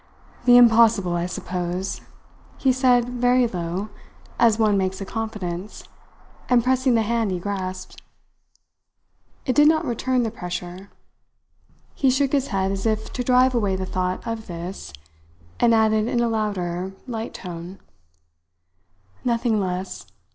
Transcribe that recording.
"The impossible, I suppose," he said very low, as one makes a confidence, and pressing the hand he grasped. It did not return the pressure. He shook his head as if to drive away the thought of this, and added in a louder, light tone: "Nothing less.